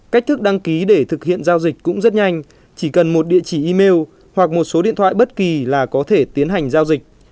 cách thức đăng ký để thực hiện giao dịch cũng rất nhanh chỉ cần một địa chỉ email hoặc một số điện thoại bất kỳ là có thể tiến hành giao dịch